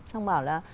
xong bảo là